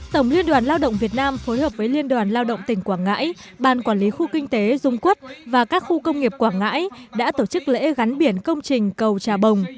tổng liên đoàn lao động việt nam phối hợp với liên đoàn lao động tỉnh quảng ngãi ban quản lý khu kinh tế dung quốc và các khu công nghiệp quảng ngãi đã tổ chức lễ gắn biển công trình cầu trà bồng